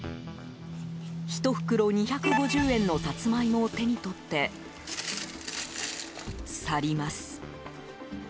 １袋２５０円のサツマイモを手に取って去ります。